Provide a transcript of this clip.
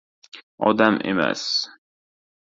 — Odam emas!